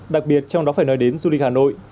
đặc biệt trong đó phải nói đến du lịch hà nội